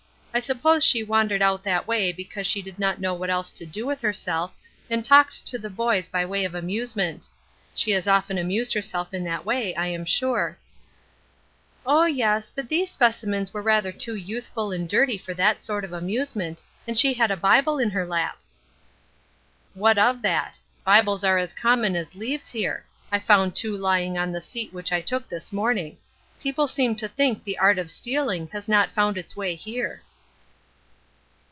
I suppose she wandered out that way because she did not know what else to do with herself, and talked to the boys by way of amusement. She has often amused herself in that way, I am sure." "Ah, yes; but these specimens were rather too youthful and dirty for that sort of amusement, and she had a Bible in her lap." "What of that! Bibles are as common as leaves here. I found two lying on the seat which I took this morning. People seem to think the art of stealing has not found its way here."